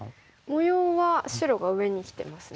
模様は白が上にきてますね。